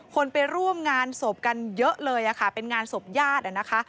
ไปร่วมงานศพกันเยอะเลยค่ะเป็นงานศพญาตินะคะ